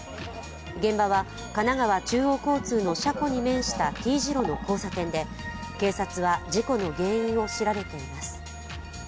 現場は神奈川中央交通の車庫に面したＴ字路の交差点で警察は事故の原因を調べています。